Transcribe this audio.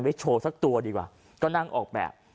โชว์สักตัวดีกว่าก็นั่งออกแบบ